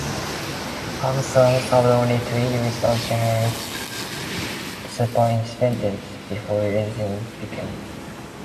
Armstrong served only two years as general superintendent before resigning because of failing health.